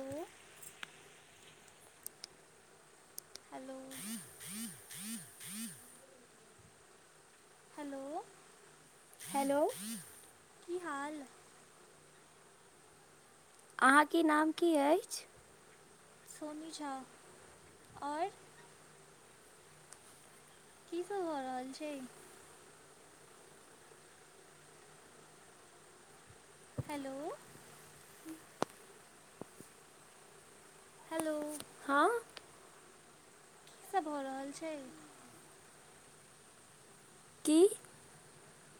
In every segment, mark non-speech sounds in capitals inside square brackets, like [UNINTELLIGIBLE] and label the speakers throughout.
Speaker 1: ओ। Hello.
Speaker 2: फर फर [INAUDIBLE]
Speaker 1: hello.
Speaker 2: Hello.
Speaker 1: की हाल।
Speaker 2: अहाँ के नाम की अइछ।
Speaker 1: सोनी झा आओर। की सभ भऽ रहल छै। हेलो। हेलो।
Speaker 2: हँ।
Speaker 1: कि सब भऽ रहल छै।
Speaker 2: की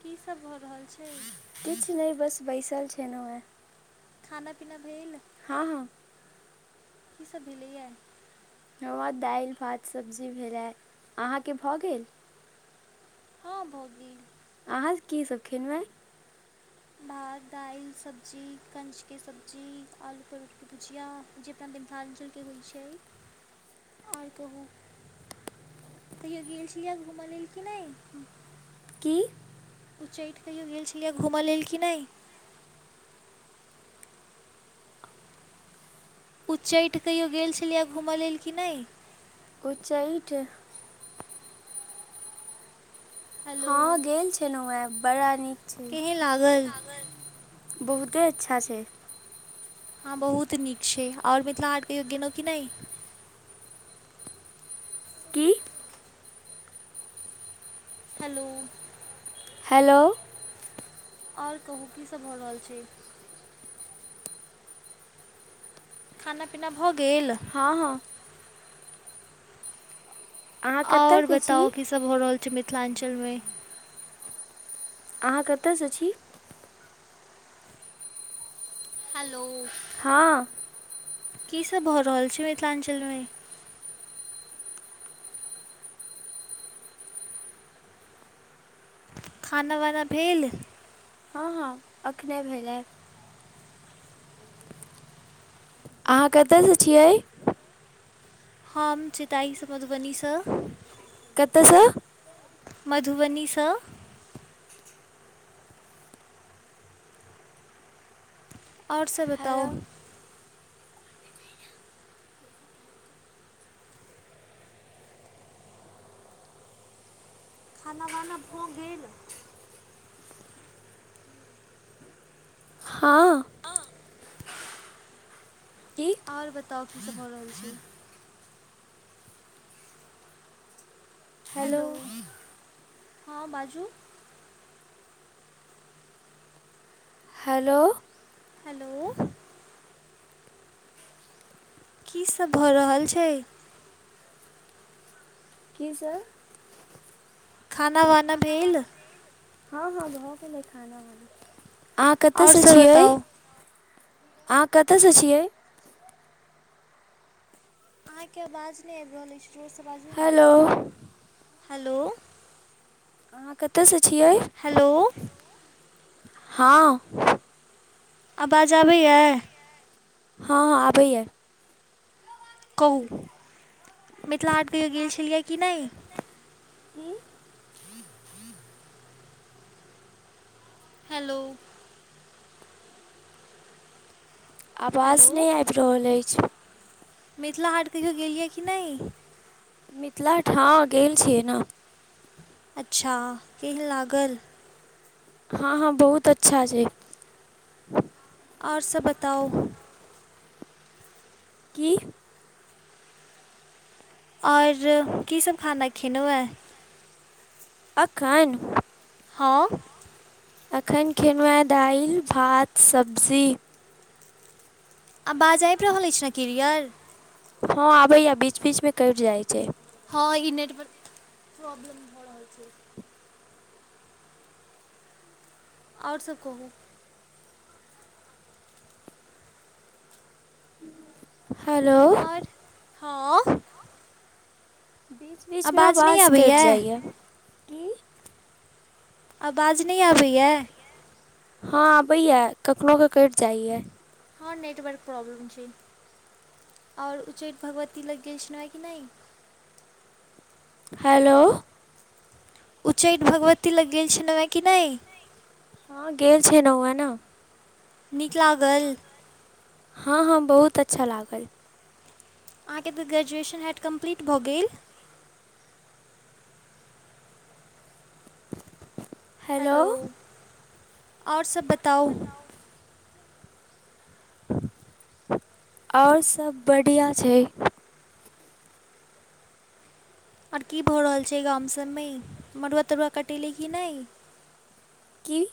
Speaker 1: की सब भऽ रहल छै।
Speaker 2: किछु नहि बस बैसल छलहुँ हेँ।
Speaker 1: खाना पीना भेल।
Speaker 2: हँ हँ।
Speaker 1: की सभ भेलैये।
Speaker 2: हमर दालि भात सब्जी भेले, अहाँके भऽ गेल।
Speaker 1: हँ भऽ गेल।
Speaker 2: अहाँ की सभ खेलहुं हें।
Speaker 1: भात दाल सब्जी, कंचके सब्जी, आलू परोर के भुजिया मिथिलाञ्चलके होइ छै आओर कहू कहियो गेल छी या घूमय लेल कि नहि?
Speaker 2: की?
Speaker 1: उच्चैठ कहियो गेल छलियै घूमय लेल कि नहि? उच्चैठ कहियो गेल छलियै घूमऽ लेल कि नहि?
Speaker 2: उच्चैठ।
Speaker 1: हेलो
Speaker 2: हँ गेल छलहुँ हें, बड़ा नीक छै।
Speaker 1: केहन
Speaker 2: केहेन
Speaker 1: लागल
Speaker 2: लागल। बहुते अच्छा छै।
Speaker 1: हँ बहुत नीक छै, आओर मिथिला हाट कहियो गेलहुँ कि नहि?
Speaker 2: की?
Speaker 1: हेलो।
Speaker 2: हेलो।
Speaker 1: आओर कहू की सभ भऽ रहल छै। खाना पीना भऽ गेल।
Speaker 2: हँ हँ। अहाँ
Speaker 1: आओर
Speaker 2: कतयके छी
Speaker 1: बताउ कीसभ भ रहल छै मिथिलाञ्चलमे।
Speaker 2: अहाँ कतयसँ छी?
Speaker 1: हेलो।
Speaker 2: हँ।
Speaker 1: की सभ भऽ रहल छै मिथिलाञ्चलमे। खाना वाना भेल।
Speaker 2: हँ हँ एखने भेलै। अहाँ कतऽसँ छियै?
Speaker 1: हम चेताईसँ मधुबनीसँ।
Speaker 2: कतऽ सं?
Speaker 1: मधुबनी स। आओर सभ बताउ।
Speaker 2: हेलो
Speaker 1: खाना वाना भऽ गेल।
Speaker 2: हाँ। की
Speaker 1: आओर बताउ की सब भऽ रहल छै। हेलो हँ बाजू।
Speaker 2: हेलो।
Speaker 1: हेलो कीसब भऽ रहल छै?
Speaker 2: की सब
Speaker 1: खाना वाना भेल?
Speaker 2: हँ हँ भऽ गेलै खाना वाना आहाँ कतऽ
Speaker 1: आओर
Speaker 2: से
Speaker 1: सभ
Speaker 2: छियै?
Speaker 1: बताउ
Speaker 2: आहाँ कतऽ से छियै?
Speaker 1: आहाँके अबाज नै आयब रहल अइछ जोरसँ बाजियौ ने
Speaker 2: हेलो
Speaker 1: हेलो?
Speaker 2: आहाँ कतऽ से छियै?
Speaker 1: हेलो
Speaker 2: हँ।
Speaker 1: आबाज आबैया?
Speaker 2: हँ आबैया।
Speaker 1: कहू? मिथिला हाट
Speaker 2: [UNINTELLIGIBLE]
Speaker 1: कहियो गेल
Speaker 2: छियै
Speaker 1: छलियै कि नहि
Speaker 2: की नैय की।
Speaker 1: हेलो
Speaker 2: अबाज
Speaker 1: हेलो
Speaker 2: नै आइब रहल अइछ।
Speaker 1: मिथिला हाट कहियो गेलियै की नैय?
Speaker 2: मिथिला ठाँ गेल छियै नऽ।
Speaker 1: अच्छा केहन लागल?
Speaker 2: हँ, हँ बहुत अच्छा छै।
Speaker 1: और सह बताउ?
Speaker 2: की?
Speaker 1: और कीसब खाना खेलौ ए?
Speaker 2: अखैन?
Speaker 1: हँ।
Speaker 2: एखन खेलौ हें दैल, भात, सब्जी।
Speaker 1: अबाज आइब रहल अइछ नऽ किरियर?
Speaker 2: हँ आबैया बीच- बीच मे कैट जाय छै।
Speaker 1: हँ ई नेटवर्क प्रॉब्लम भऽ रहल छै। और सब कहू?
Speaker 2: हेलो
Speaker 1: और हँ।
Speaker 2: बीच बीचमे
Speaker 1: आवाज नहि
Speaker 2: अबाज कैट
Speaker 1: आबैए
Speaker 2: जाय या।
Speaker 1: अबाज नै आबैया?
Speaker 2: हँ अबैया कखनो के कैट जाय या।
Speaker 1: हँ नेटवर्क प्रॉब्लम छै और उच्चैठ भगवती लग गेल छेलौहेंँ की नैय?
Speaker 2: हेलो
Speaker 1: उच्चैठ भगवती लग गेल छेलौेए की नैय?
Speaker 2: हँ गेल छेल्लौउ हें नऽ।
Speaker 1: नीक लागल?
Speaker 2: हँ, हँ बहुत अच्छा लागल।
Speaker 1: आहाँके तऽ ग्रेजुएशन हेएत कम्प्लीट भऽ गेल? हेलो और सब बताउ?
Speaker 2: और सब बढ़िआँ छै।
Speaker 1: और की भऽ रहल छै गाम सबमे मड़ुआ तरुआ कटेलै की नै?
Speaker 2: की-?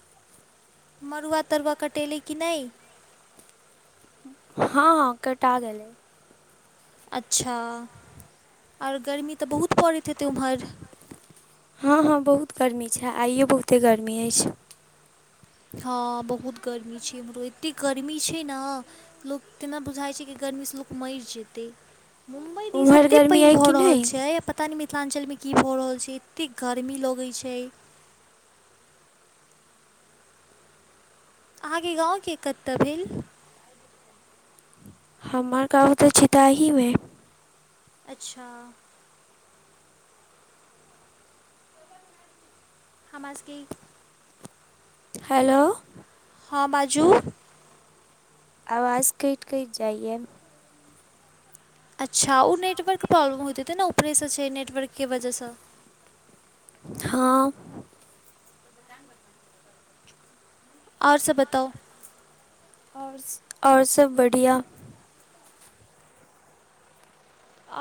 Speaker 1: मड़ुआ तरुआ कटेलै की नै।
Speaker 2: हँ- हँ कटा गेलै।
Speaker 1: अच्छा और गर्मी त बहुत पड़ैत हेतै ओम्हर।
Speaker 2: हँ- हँ बहुत गर्मी छैय आइयो बहुते गर्मी अइछ।
Speaker 1: हँ बहुत गर्मी छैय इम्हरो एते गर्मी छैय ना लोक तेना बुझाइ छैय कि गर्मी से लोक मइर जेतै। मुम्बई दिस
Speaker 2: उम्हर
Speaker 1: एते
Speaker 2: गर्मी
Speaker 1: पाइन
Speaker 2: अइ
Speaker 1: भऽ
Speaker 2: कि
Speaker 1: रहल
Speaker 2: नहि
Speaker 1: छैय पता नै मिथिलाञ्चलमे की भऽ रहल छैय एतेक गर्मी लगै छैय। अहाँकेे गाँवके कत्त भेल।
Speaker 2: हमर गांव त छताहीमे।
Speaker 1: अच्छा। हमरा सबके।
Speaker 2: हेलो।
Speaker 1: हँ बाजू।
Speaker 2: आवाज कइट- कइट जाइए।
Speaker 1: अच्छा उ नेटवर्क प्रॉब्लम होइत हेतै ने उपरे से छैय नेटवर्कके वजह स।
Speaker 2: हँ।
Speaker 1: [UNINTELLIGIBLE] और सभ बताउ।
Speaker 2: औ-र और सब बढ़ियाँ।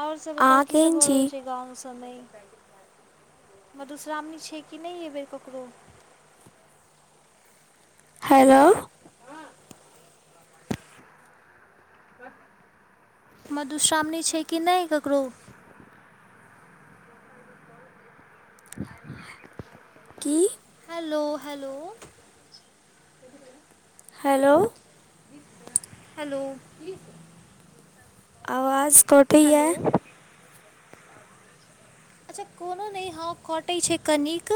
Speaker 1: और सब बताउ
Speaker 2: अहाँ
Speaker 1: की सब
Speaker 2: केहन
Speaker 1: भऽ
Speaker 2: छी
Speaker 1: रहल छैय गाँव सबमे। मधुश्रामणी छैय कि नै एय बेेर ककरो।
Speaker 2: हेलो।
Speaker 1: मधुश्रामणी छैय कि नै ककरो।
Speaker 2: की?
Speaker 1: Hello- hello.
Speaker 2: हेलो।
Speaker 1: हेलो।
Speaker 2: आवाज कट
Speaker 1: हैेलो। अच्छा कोनो नय हँ कटै छैय कनिक,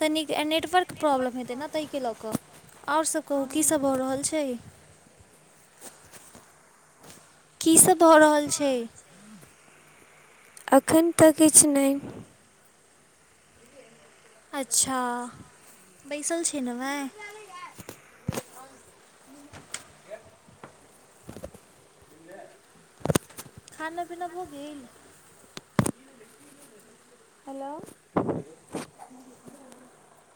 Speaker 1: कनिक नेटवर्क प्रॉब्लम हेतै न तय के लऽ कऽ और सभ कहू की सब भऽ रहल छैय। की सब भऽ रहल छैय।
Speaker 2: अखैन त किछ नै।
Speaker 1: अच्छा बैसल छेलौं एँ।
Speaker 2: [INAUDIBLE]
Speaker 1: खाना पीना भ गेल।
Speaker 2: हेलो।
Speaker 1: [INAUDIBLE]